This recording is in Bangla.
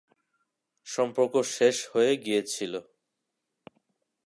সম্পর্ক শেষ হয়ে গিয়েছিল।